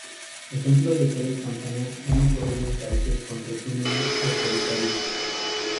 Ejemplos de tales campañas han ocurrido en países con regímenes autoritarios.